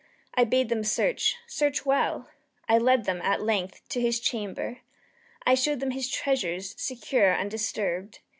I bade them search search well. I led them, at length, to his chamber. I showed them his treasures, secure, undisturbed.